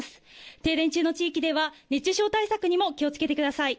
停電中の地域では熱中症対策にも気をつけてください。